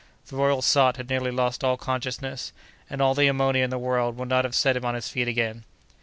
The royal sot had nearly lost all consciousness, and all the ammonia in the world would not have set him on his feet again.